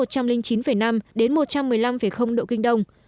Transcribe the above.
đến một trăm một mươi năm độ kinh đông